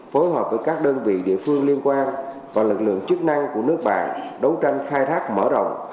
phối hợp với các đơn vị địa phương liên quan và lực lượng chức năng của nước bạn đấu tranh khai thác mở rộng